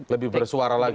lebih bersuara lagi